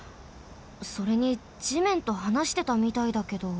それにじめんとはなしてたみたいだけど。